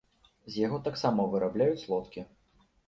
З яго таксама вырабляюць лодкі.